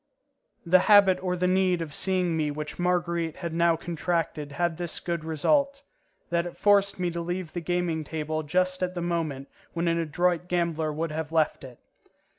The habit or the need of seeing me which Marguerite had now contracted had this good result: that it forced me to leave the gaming table just at the moment when an adroit gambler would have left it.